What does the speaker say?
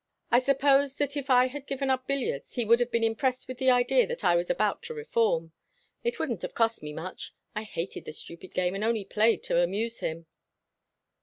I suppose that if I had given up billiards he would have been impressed with the idea that I was about to reform. It wouldn't have cost me much. I hated the stupid game and only played to amuse him."